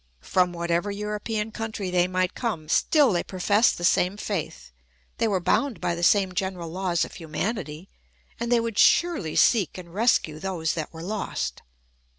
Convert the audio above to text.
From whatever European country they might come, still they professed the same faith, they were bound by the same general laws of humanity, and they would surely seek and rescue those that were lost.